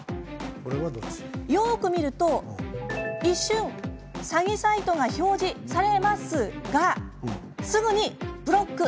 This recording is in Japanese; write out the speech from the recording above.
よく見ると、一瞬詐欺サイトが表示されますがすぐにブロック！